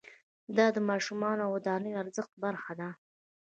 دا د ماشینونو او ودانیو د ارزښت برخه ده